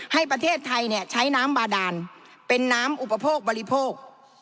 ให้ประเทศไทยใช้น้ำบาดานเป็นน้ำอุปโภคบริโภค